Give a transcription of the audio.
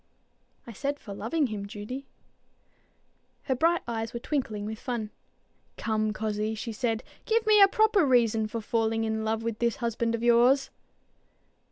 "I said for loving him, Judy." Her bright eyes were twinkling with fun. "Come, cozzie," she said, "give me a proper reason for falling in love with this husband of yours."